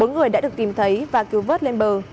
bốn người đã được tìm thấy và cứu vớt lên bờ